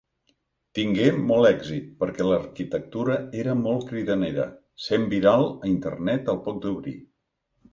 Tingué molt èxit perquè l'arquitectura era molt cridanera, sent viral a Internet al poc d'obrir.